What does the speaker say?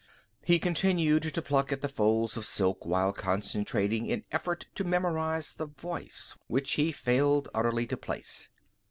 He continued to pluck at the folds of silk while concentrating in effort to memorise the voice, which he failed utterly to place.